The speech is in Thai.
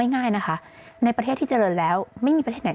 สิ่งที่ประชาชนอยากจะฟัง